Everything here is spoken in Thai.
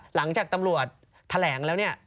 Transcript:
หลังจากตำรวจแถลงแล้วเนี่ย